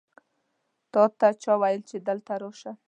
تاته چا وویل چې دلته راشه؟